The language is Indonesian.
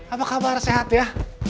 apa kabar sehat ya